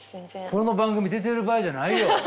この番組出てる場合じゃないよ。